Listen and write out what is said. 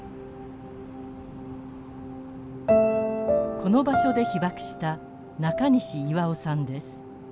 この場所で被爆した中西巖さんです。